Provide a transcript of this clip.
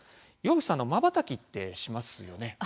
岩渕さん、まばたきってしますよね。